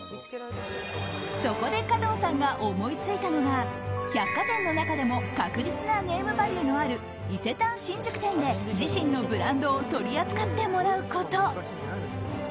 そこで加藤さんが思いついたのが百貨店の中でも確実なネームバリューのある伊勢丹新宿店で自身のブランドを取り扱ってもらうこと。